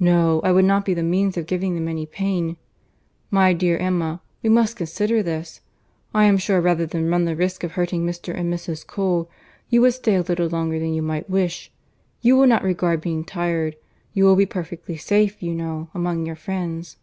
No, I would not be the means of giving them any pain. My dear Emma, we must consider this. I am sure, rather than run the risk of hurting Mr. and Mrs. Cole, you would stay a little longer than you might wish. You will not regard being tired. You will be perfectly safe, you know, among your friends."